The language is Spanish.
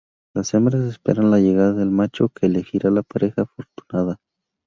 Las hembras esperan la llegada del macho, que elegirá la pareja afortunada.